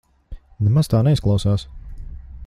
Nemaz tā neizklausās.